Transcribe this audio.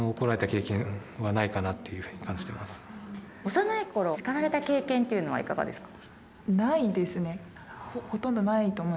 幼いころ叱られた経験っていうのはいかがですか？